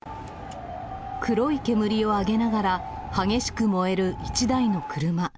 黒い煙を上げながら、激しく燃える１台の車。